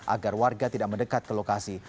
agar warga tidak mendekat ke lokasi